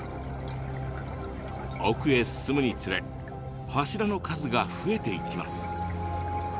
奥へ進むにつれ柱の数が増えていきます。